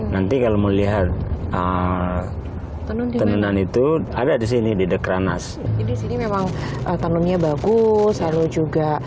nanti kalau melihat tenunan itu ada di sini di dekranas ini memang tanamnya bagus lalu juga